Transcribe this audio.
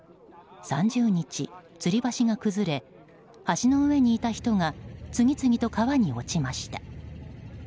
３０日、つり橋が崩れ橋の上にいた人が次々と川へ落ちました。